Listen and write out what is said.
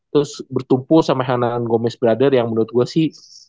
terus bertumpul sama hanan gomez brother yang menurut gue sih